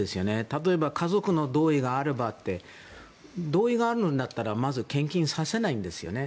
例えば、家族の同意があればって同意があるんだったらまず献金させないんですよね。